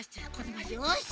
よし！